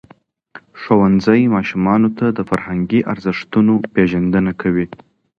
ښوونځی ماشومانو ته د فرهنګي ارزښتونو پېژندنه کوي.